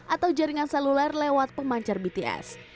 atau jaringan seluler lewat pemancar bts